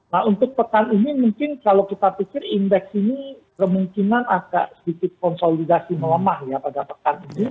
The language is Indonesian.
nah untuk pekan ini mungkin kalau kita pikir indeks ini kemungkinan agak sedikit konsolidasi melemah ya pada pekan ini